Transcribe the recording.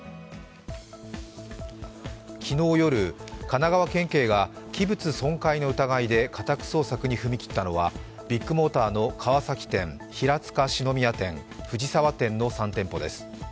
昨日夜、神奈川県警が器物損壊の疑いで家宅捜索に踏み切ったのはビッグモーターの川崎店、平塚四之宮店、藤沢店の３店舗です。